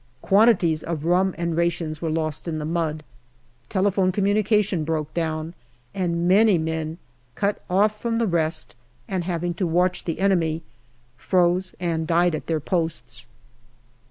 Quantities of rum and rations were lost in the mud. Telephone communication broke down, and many men, cut off from the rest and having to watch the enemy, froze and died at their posts.